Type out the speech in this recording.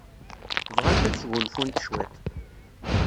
Bɣant ad sgunfunt cwiṭ.